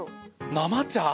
生茶！